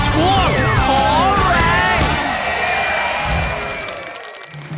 จุ้งขอแรก